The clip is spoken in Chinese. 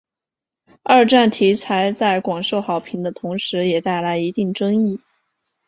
二战题材在广受好评的同时也带来一定争议。